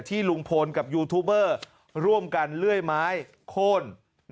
ลุงพลกับยูทูบเบอร์ร่วมกันเลื่อยไม้โค้น